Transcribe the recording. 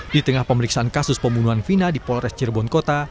di tengah pemeriksaan kasus pembunuhan vina di polres cirebon kota